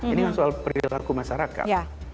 ini kan soal perilaku masyarakat